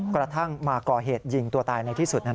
กระทั่งมาก่อเหตุยิงตัวตายในที่สุดนั้น